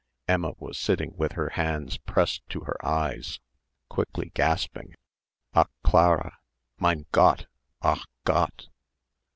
Emma was sitting with her hands pressed to her eyes, quickly gasping, "Ach Clara! Mein Gott! Ach Gott!"